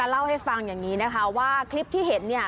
เล่าให้ฟังอย่างนี้นะคะว่าคลิปที่เห็นเนี่ย